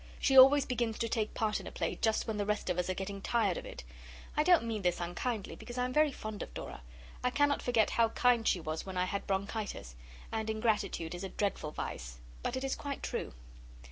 She always begins to take part in a play just when the rest of us are getting tired of it. I don't mean this unkindly, because I am very fond of Dora. I cannot forget how kind she was when I had bronchitis; and ingratitude is a dreadful vice. But it is quite true.